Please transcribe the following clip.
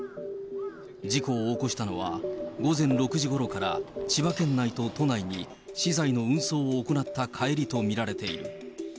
事故を起こしたのは、午前６時ごろから千葉県内と都内に、資材の運送を行った帰りと見られている。